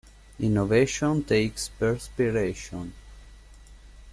Innovation takes perspiration.